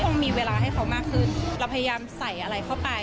คงมีเวลาให้เขามากขึ้นเราพยายามใส่อะไรเข้าไป